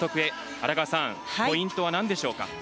荒川さん、ポイントは何でしょうか？